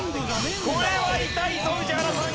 これは痛いぞ宇治原さん。